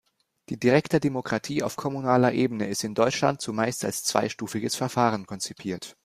Die direkte Demokratie auf kommunaler Ebene ist in Deutschland zumeist als zweistufiges Verfahren konzipiert.